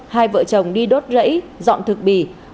hai vợ chồng đi đốt rẫy dọn thực bì